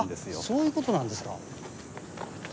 そういうことなんですか。